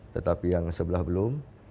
tetapi yang sebelah belum